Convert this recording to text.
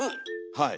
はい。